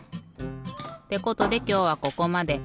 ってことできょうはここまで。